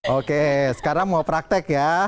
oke sekarang mau praktek ya